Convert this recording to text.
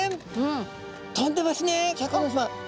あ飛んでますね。